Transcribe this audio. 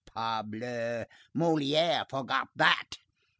Parbleu! Molière forgot that.